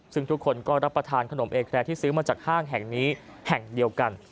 ซึ่งทุกคนก็รับประทานขนมเอแครที่ซื้อมาจากห้างแห่งนี้แห่งเดียวกัน